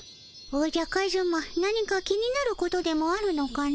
おじゃカズマ何か気になることでもあるのかの？